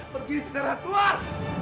pergi sekarang keluar